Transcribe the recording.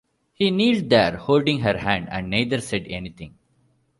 He kneeled there, holding her hand, and neither said anything.